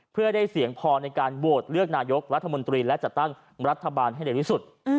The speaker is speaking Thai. เพื่อได้เสียงพอในการโหวตเลือกนายกรัฐมนตรีและจัดตั้งรัฐบาลให้เร็วที่สุด